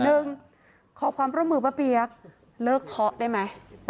หนึ่งขอความประมูลปะเปียกเลิกเคาะได้ไหม